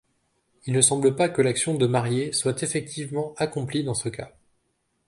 Il ne semble pas que l'action de marier soit effectivement accomplie dans ce cas.